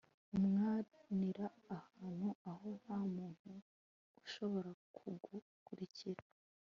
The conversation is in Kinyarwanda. Urwanira ahantu aho ntamuntu ushobora kugukurikira